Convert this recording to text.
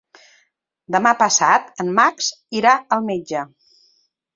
Demà passat en Max irà al metge.